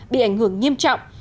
bị ảnh hưởng nghiêm trọng